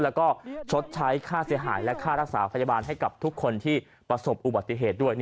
แล้วก็ชดใช้ค่าเสียหายและค่ารักษาพยาบาลให้กับทุกคนที่ประสบอุบัติเหตุด้วย